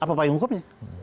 apa yang hukumnya